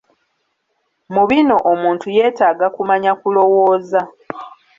Mu bino omuntu yeetaaga kumanya kulowooza.